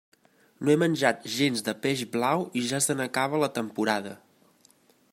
No he menjat gens de peix blau i ja se n'acaba la temporada.